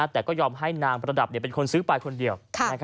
แต่ก็ยอมให้นางประดับเป็นคนซื้อไปคนเดียว